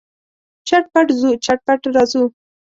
چټ پټ ځو، چټ پټ راځو.